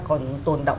còn tồn động